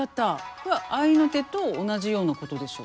これは合いの手と同じようなことでしょうかね。